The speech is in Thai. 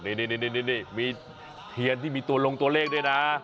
นี่มีเทียนที่มีตัวลงตัวเลขด้วยนะ